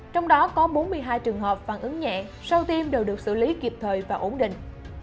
trong đó có bốn mươi hai trường hợp phản ứng nhẹ sau tiêm đều được xử lý kịp thời và ổn định